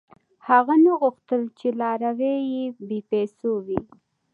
• هغه نه غوښتل، چې لاروي یې بېپېسو وي.